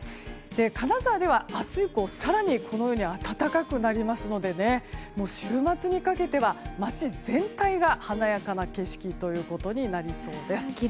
金沢では明日以降このように暖かくなりますので週末にかけては街全体が華やかな景色ということになりそうです。